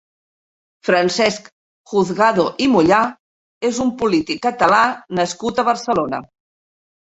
Francesc Juzgado i Mollá és un polític Català nascut a Barcelona.